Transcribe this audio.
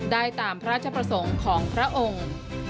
ได้ตามพระราชประสงค์ของพระองค์